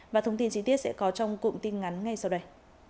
và thông tin chi tiết sẽ có trong cụm tin ngắn ngay sau đây